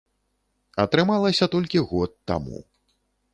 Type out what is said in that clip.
Атрымалася толькі год таму.